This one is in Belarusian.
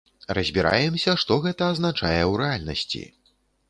Разбіраемся, што гэта азначае ў рэальнасці.